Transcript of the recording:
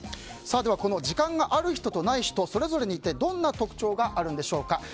この時間がある人とない人それぞれにどんな特徴があるんでしょうか。